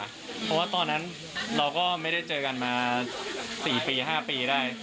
เพราะว่าตอนนั้นเราก็ไม่ได้เจอกันมา๔ปี๕ปีได้